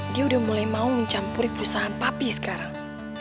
dia udah mulai mau mencampuri perusahaan papi sekarang